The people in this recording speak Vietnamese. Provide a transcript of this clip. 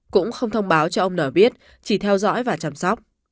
cũng không thông báo cho ông n biết chỉ theo dõi và chăm sóc